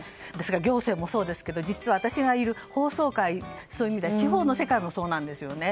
行政もそうなんですけど私がいる法曹界そういう意味では司法の世界もそうなんですよね。